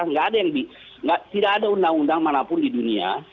tidak ada yang tidak ada undang undang manapun di dunia